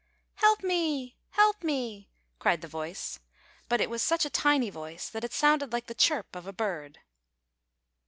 " Help me! Help me! " cried the voice; but it was such a tiny voice that it sounded like the chirp of a bird.